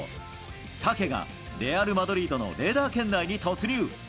タケがレアル・マドリードのレーダー圏内に突入。